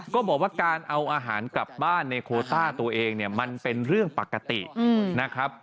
ก็บอกว่าการเอาอาหารกลับบ้านในโคต้าตัวเองเนี่ยมันเป็นเรื่องปกตินะครับ